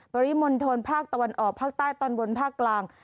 ปริมณฑลภาคตะวันออกภาคใต้ตอนบนภาคกลาง